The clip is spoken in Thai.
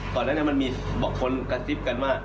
ตอนนั้นมันมีคนกระซิบกันว่า